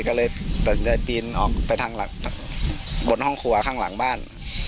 ก็เลยตัดสินใจปีนออกไปทางบนห้องครัวข้างหลังบ้าน